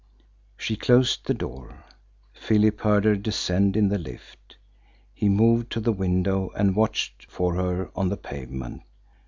She closed the door. Philip heard her descend in the lift. He moved to the window and watched for her on the pavement.